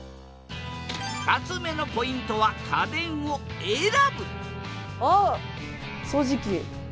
２つ目のポイントは家電を選ぶあっ掃除機。